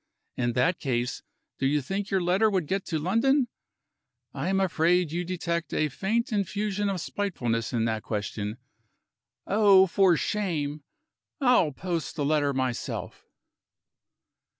In that case, do you think your letter would get to London? I am afraid you detect a faint infusion of spitefulness in that question. Oh, for shame! I'll post the letter myself."